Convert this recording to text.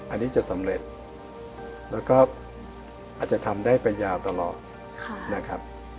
อันนี้จะสำเร็จแล้วก็อาจจะทำได้ไปยาวตลอดนะครับ